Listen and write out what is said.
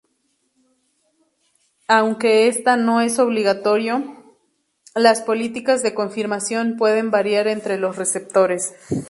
Aunque esta no es obligatorio, las políticas de confirmación pueden variar entre los receptores.